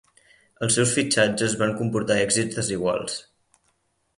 Els seus fitxatges van comportar èxits desiguals.